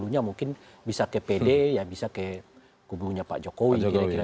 empat puluh nya mungkin bisa ke pd ya bisa ke kubunya pak jokowi